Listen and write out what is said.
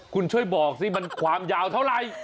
คุณช่วยบอกสิมันความยาวเท่าไหร่